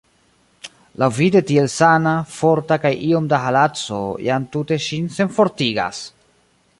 Laŭvide tiel sana, forta, kaj iom da haladzo jam tute ŝin senfortigas!